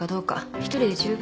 １人で十分。